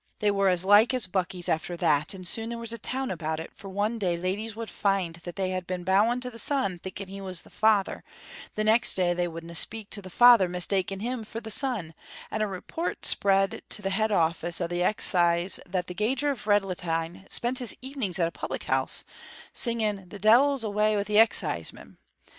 They were as like as buckies after that, and soon there was a town about it, for one day ladies would find that they had been bowing to the son thinking he was the father, and the next they wouldna speak to the father, mistaking him for the son; and a report spread to the head office o' the excise that the gauger of Redlintie spent his evenings at a public house, singing 'The De'il's awa' wi' the Exciseman.'